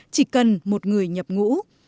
chỉ cần một người nhập ngũ